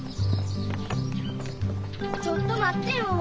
ちょっと待ってよ。